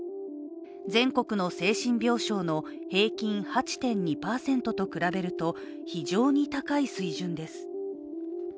全国の精神病床の平均８．２％と比べると非常に高い水準です。